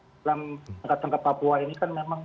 tetap bahwa lengkap lengkap papua ini kan memang